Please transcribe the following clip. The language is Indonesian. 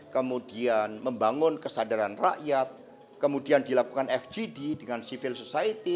kemudian membangun kesadaran rakyat kemudian dilakukan fgd dengan civil society